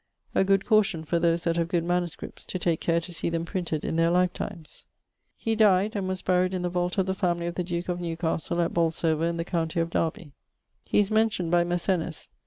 ☞ A good caution for those that have good MSS. to take care to see them printed in their life times. He dyed ... and was buried in the vault of the family of the duke of Newcastle, at Bolsover, in the countie of . He is mentioned by Mersennus.